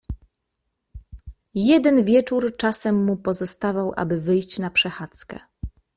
"Jeden wieczór czasem mu pozostawał, aby wyjść na przechadzkę."